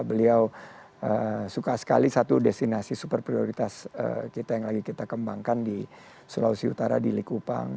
beliau suka sekali satu destinasi super prioritas kita yang lagi kita kembangkan di sulawesi utara di likupang